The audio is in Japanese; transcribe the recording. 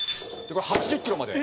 「８０キロまで」